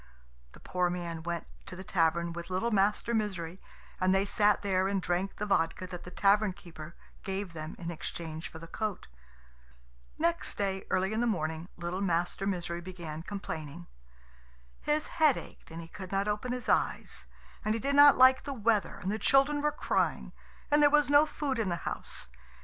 The poor man went to the tavern with little Master Misery, and they sat there and drank the vodka that the tavern keeper gave them in exchange for the coat. Next day, early in the morning, little Master Misery began complaining. His head ached and he could not open his eyes, and he did not like the weather, and the children were crying, and there was no food in the house.